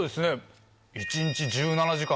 「一日１７時間」